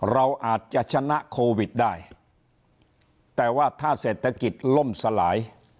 เราอาจจะชนะโควิดได้แต่ว่าถ้าเศรษฐกิจล่มสลาย